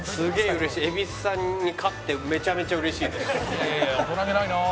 「いやいやいや大人げないなあ」